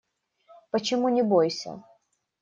Почему не бойся?